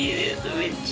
めっちゃ。